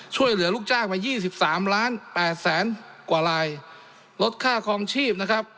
ช่วยเหลือลูกจ้างมายี่สิบสามล้านแปดแสนกว่าลายลดค่าคลองชีพนะครับ